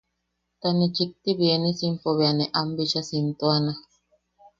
Ta ne chikti bienesimpo bea ne am bichaa siimtuana.